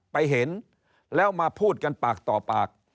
เห็นแล้วมาพูดกันปากต่อปาก